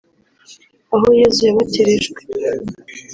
aho Yezu yabatirijwe